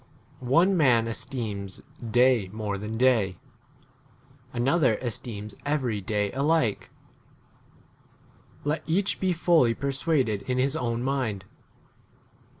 One man esteems day more than day ; another esteems every day [alike]. Let each be fully persuaded in his own mind.